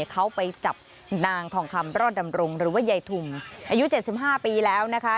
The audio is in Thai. เขาไปจับนางทองคำรอดดำรงหรือว่ายายทุมอายุ๗๕ปีแล้วนะคะ